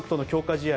試合